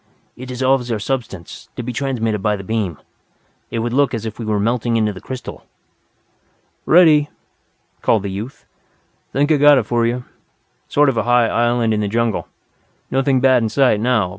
"It dissolves our substance, to be transmitted by the beam. It would look as if we were melting into the crystal." "Ready," called the youth. "Think I've got it for you. Sort of a high island in the jungle. Nothing bad in sight now.